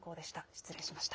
失礼しました。